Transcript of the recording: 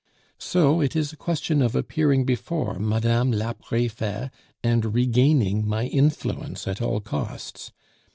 So it is a question of appearing before Mme. la Prefete and regaining my influence at all costs.